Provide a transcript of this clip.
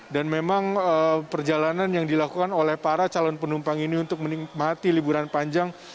dan memang perjalanan yang dilakukan oleh para calon penumpang ini untuk menikmati liburan panjang